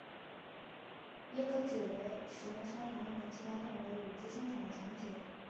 也可指为使用山羊等其他动物的乳汁生产的产品。